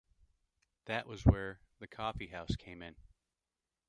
That was where the coffeehouse came in.